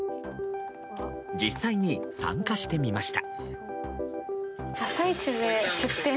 実際に参加してみました。